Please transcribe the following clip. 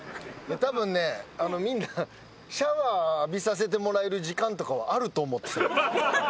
たぶんねみんなシャワー浴びさせてもらえる時間とかはあると思ってた。